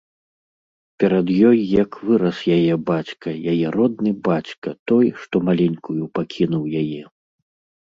Перад ёй як вырас яе бацька, яе родны бацька, той, што маленькую пакінуў яе.